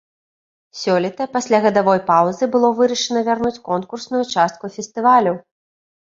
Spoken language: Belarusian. Сёлета, пасля гадавой паўзы, было вырашана вярнуць конкурсную частку фестывалю.